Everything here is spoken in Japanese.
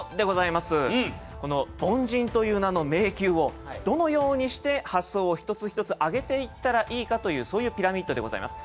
この凡人という名の迷宮をどのようにして発想を一つ一つ上げていったらいいかというそういうピラミッドでございます。